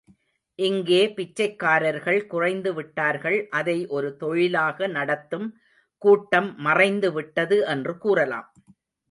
இங்கே பிச்சைக்காரர்கள் குறைந்துவிட்டார்கள் அதை ஒரு தொழிலாக நடத்தும் கூட்டம் மறைந்து விட்டது என்று கூறலாம்.